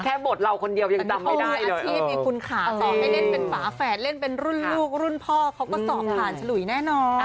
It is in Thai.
อาชีพมีคุณขาสอบให้เล่นเป็นป่าแฝดเล่นเป็นรุ่นลูกรุ่นพ่อเขาก็สอบผ่านสลุยแน่นอน